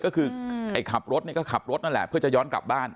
ก็คือไอ้ขับรถเนี่ยก็ขับรถนั่นแหละเพื่อจะย้อนกลับบ้าน